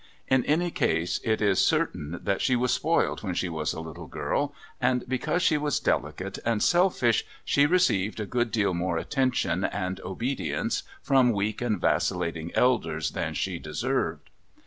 In any case, it is certain that she was spoiled when she was a little girl, and because she was delicate and selfish she received a good deal more attention and obedience from weak and vacillating elders than she deserved.